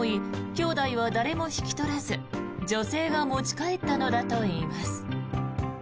きょうだいは誰も引き取らず女性が持ち帰ったのだといいます。